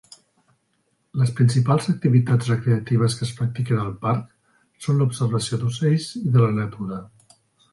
Les principals activitats recreatives que es practiquen al parc són l"observació d"ocells i de la natura.